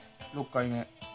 ６回目。